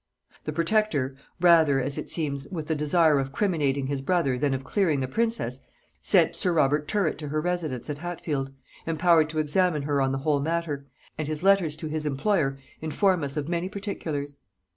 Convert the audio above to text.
The protector, rather, as it seems, with the desire of criminating his brother than of clearing the princess, sent sir Robert Tyrwhitt to her residence at Hatfield, empowered to examine her on the whole matter; and his letters to his employer inform us of many particulars.